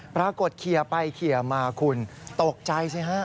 เคลียร์ไปเคลียร์มาคุณตกใจสิฮะ